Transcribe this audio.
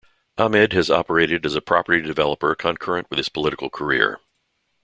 Ahmed has operated as a property developer concurrent with his political career.